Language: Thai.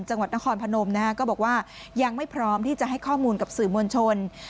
จังหวัดนครพนมนะฮะก็บอกว่ายังไม่พร้อมที่จะให้ข้อมูลกับสื่อมวลชน